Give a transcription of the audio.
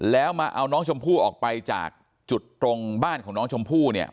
แล้วมาเอาน้องชมพู่ออกไปจากจุดตรงบ้านของน้องชมพู่เนี่ย